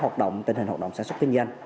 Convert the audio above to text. tình hình hoạt động sản xuất kinh doanh